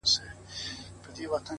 اخلاق د انسان د نوم رنګ دی!